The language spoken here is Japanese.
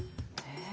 え⁉